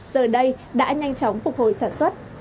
giờ đây đã nhanh chóng phục hồi sản xuất